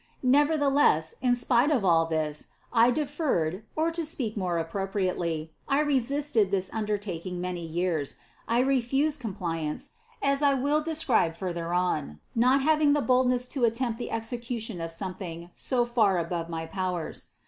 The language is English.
Nevertheless, in spite of all this, I de ferred, or to speak more appropriately, I resisted this un dertaking many years ; I refused compliance, as I will de scribe further on, not having the boldness to attempt the execution of something so far above all my powers.